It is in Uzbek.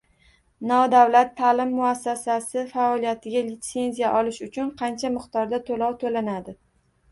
Nodavlat ta’lim muassasasi faoliyatiga litsenziya olish uchun qancha miqdorda to‘lov to‘lanadi?